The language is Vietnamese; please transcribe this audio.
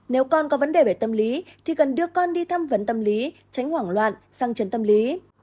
nếu con có vấn đề về tâm lý thì cần đưa con đi thăm vấn tâm lý tránh hoảng loạn sang trần tâm lý